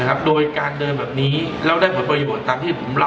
ครับโดยการเดินแบบนี้แล้วได้ผลประโยชน์ตามที่ผมเล่า